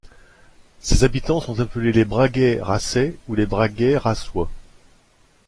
Ses habitants sont appelés les Bragayracais ou Bragayracois.